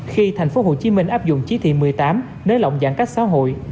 khi tp hcm áp dụng chí thị một mươi tám nới lộng giãn cách xã hội